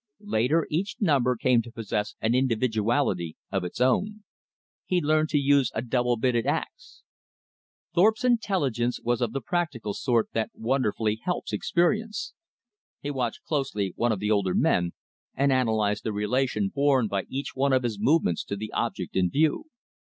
Later, each number came to possess an individuality of its own. He learned to use a double bitted ax. Thorpe's intelligence was of the practical sort that wonderfully helps experience. He watched closely one of the older men, and analyzed the relation borne by each one of his movements to the object in view.